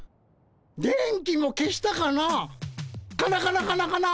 「電気も消したかなカナカナカナカナ」。